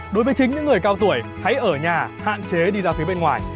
đối với chính những người cao tuổi hãy ở nhà hạn chế đi ra phía bên ngoài